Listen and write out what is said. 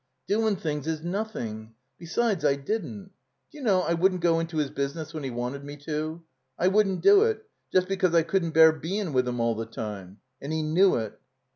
''Doin' things is nothing. Besides, I didn't D'you know, I wouldn't go into his business when he wanted me to? I wouldn't do it, just because I couldn't bear bein' with him all the time« And he knew it."